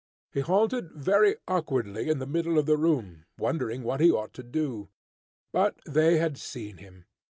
He halted very awkwardly in the middle of the room, wondering what he ought to do. But they had seen him.